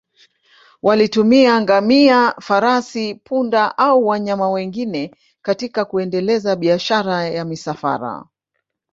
Walitumia ngamia, farasi, punda au wanyama wengine katika kuendeleza biashara ya misafara.